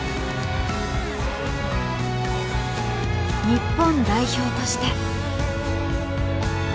日本代表として。